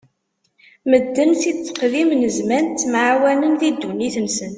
Medden si tteqdim n zzman ttemɛawanen di ddunit-nsen.